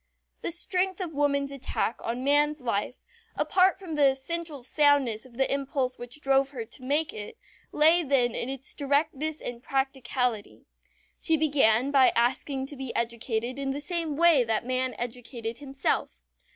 The strength of woman's attack on man's life, apart from the essential soundness of the impulse which drove her to make it, lay then in its directness and practicality. She began by asking to be educated in the same way that man educated himself.